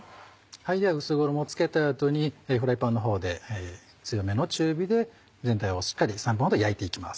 では薄衣を付けた後にフライパンのほうで強めの中火で全体をしっかり３分ほど焼いて行きます。